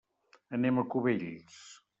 Anem a Cubells.